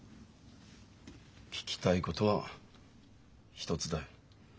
聞きたいことは一つだよ。